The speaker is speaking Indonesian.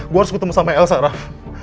gua harus ketemu sama elsa raf